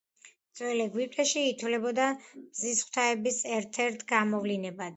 ძველ ეგვიპტეში ითვლებოდა მზის ღვთაების ერთ-ერთ გამოვლინებად.